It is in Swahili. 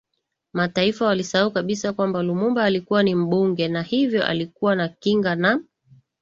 Mataifa walisahau kabisa kwamba Lumumba alikuwa ni Mbunge na hivyo alikuwa na Kinga na